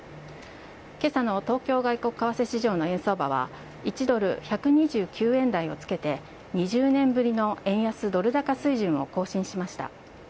今朝の東京外国為替市場の円相場は１ドル１２９円台をつけて２０年ぶりの円安ドル高水準を更新しました。